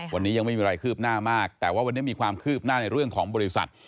วันนี้ยังไม่มีอะไรคืบหน้ามากแต่ว่าวันนี้มีความคืบหน้าในเรื่องของบริษัท